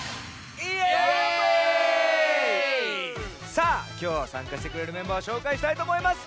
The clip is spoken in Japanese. さあきょうさんかしてくれるメンバーをしょうかいしたいとおもいます。